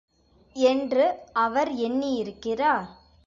என்று அவர் எண்ணியிருக்கிறார்.